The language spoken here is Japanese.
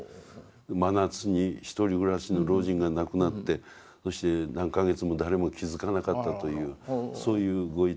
真夏に１人暮らしの老人が亡くなってそして何か月も誰も気付かなかったというそういうご遺体。